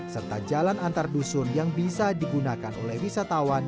serta jalan antar dusun yang bisa diperlukan